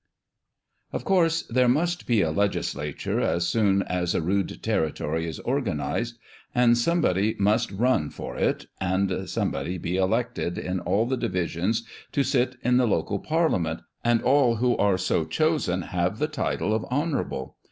OF course there must be a legislature as soon as a rude territory is organised, and somebody must " run" for it, and somebody be elected in all the divisions to sit in the local parliament, and all who are so chosen have the title of "honourable."